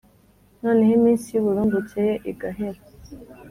noneho iminsi y’uburumbuke ye igahera